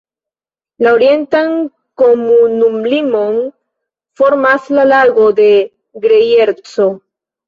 La orientan komunumlimon formas la Lago de Grejerco.